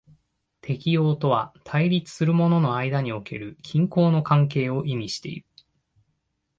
適応とは対立するものの間における均衡の関係を意味している。